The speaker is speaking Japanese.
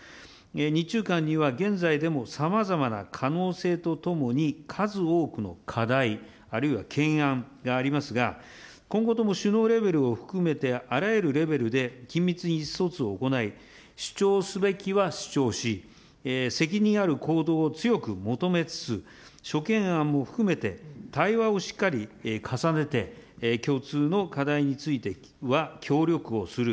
日中間には現在でもさまざまな可能性とともに、数多くの課題、あるいは懸案がありますが、今後とも首脳レベルを含めて、あらゆるレベルで緊密に意思疎通を行い、主張すべきは主張し、責任ある行動を強く求めつつ、諸懸案も含めて、対話をしっかり重ねて共通の課題については協力をする。